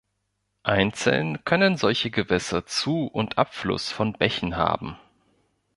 Einzeln können solche Gewässer Zu‑ und Abfluss von Bächen haben.